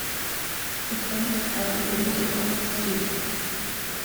The camps are open to all students.